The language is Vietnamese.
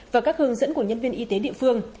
và các hướng dẫn của nhân viên y tế địa phương